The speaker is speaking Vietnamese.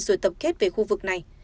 rồi tập kết về khu vực này